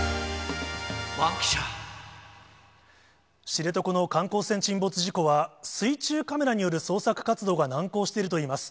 知床の観光船沈没事故は、水中カメラによる捜索活動が難航しているといいます。